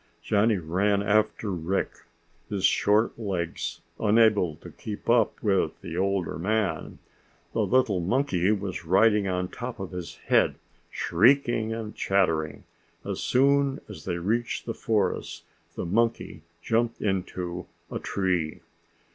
Johnny ran after Rick, his short legs unable to keep up with the older man. The little monkey was riding on top of his head, shrieking and chattering. As soon as they reached the forest the monkey jumped into a tree.